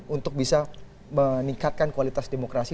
untuk bisa meningkatkan kualitas demokrasi